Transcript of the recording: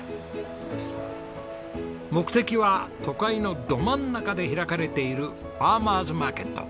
目的は都会のど真ん中で開かれているファーマーズマーケット。